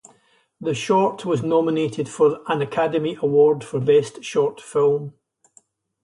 The short was nominated for an Academy Award for Best Short Film.